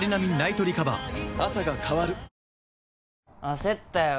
焦ったよ